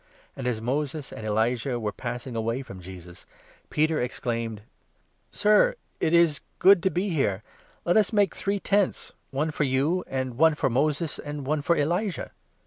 And, as Moses and Elijah were passing away from Jesus, Peter exclaimed :" Sir, it is good to be here ; let us make three tents, one for you, and one for Moses, and one for Elijah."